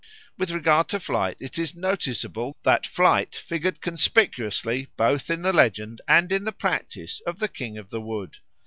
With regard to flight it is noticeable that flight figured conspicuously both in the legend and in the practice of the King of the Wood.